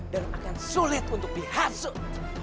dan akan sulit untuk dihasut